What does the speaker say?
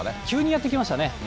急にやって来ましたね。